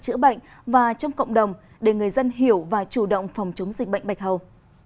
chữa bệnh và trong cộng đồng để người dân hiểu và chủ động phòng chống dịch bệnh bạch hầu